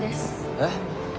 えっ？